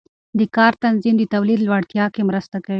د کار تنظیم د تولید لوړتیا کې مرسته کوي.